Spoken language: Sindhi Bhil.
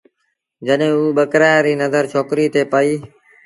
جڏهيݩ اُئي ٻڪرآڙ ري نزرڇوڪريٚ تي پئيٚ ۔